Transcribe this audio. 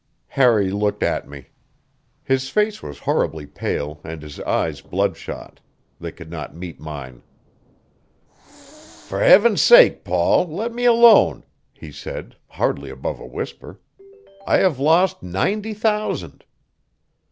Harry looked at me. His face was horribly pale and his eyes bloodshot; they could not meet mine. "For Heaven's sake, Paul, let me alone," he said, hardly above a whisper. "I have lost ninety thousand."